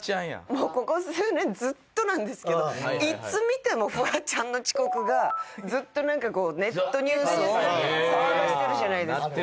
もうここ数年ずっとなんですけどいつ見てもフワちゃんの遅刻がずっとなんかこうネットニュースを騒がしてるじゃないですか。